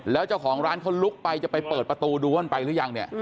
แล้วเจ้าของร้านเขาลุกไปจะไปเปิดประตูดูว่ามันไปหรือยังเนี่ย